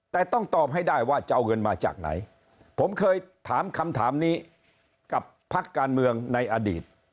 แต่ต้องตอบให้ได้ว่าจะเอาเงินมาจากไหนผมเคยถามคำถามนี้กับพักการเมืองในอดีต